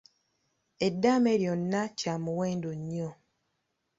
Eddaame ly’olina kya muwendo nnyo.